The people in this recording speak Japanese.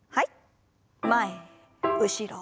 前後ろ前。